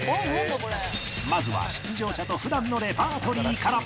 まずは出場者と普段のレパートリーから